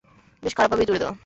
বেশ খারাপভাবেই জুড়ে দেওয়া।